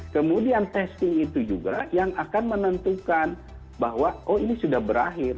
kemudian testing itu juga yang akan menentukan bahwa oh ini sudah berakhir